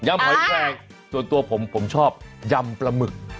ยำหอยแคลงตัวผมชอบยำปลาหมึก